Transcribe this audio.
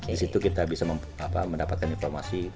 disitu kita bisa mendapatkan informasi